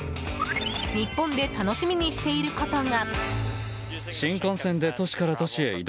日本で楽しみにしていることが。